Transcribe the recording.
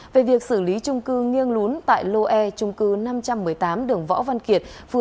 về việc xử lý trung cư nghiêng lún tại lô e trung cư năm trăm một mươi tám đường võ văn kiệt